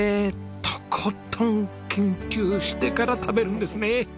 とことん研究してから食べるんですね。